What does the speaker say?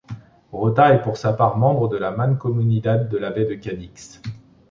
Rota est pour sa part membre de la Mancomunidad de la Baie de Cadix.